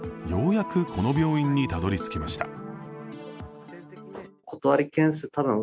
ようやくこの病院にたどりつきました。